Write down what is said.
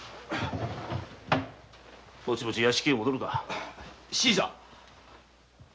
ぼちぼち屋敷に戻るか。